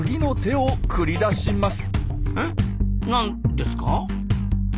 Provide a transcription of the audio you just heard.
何ですか？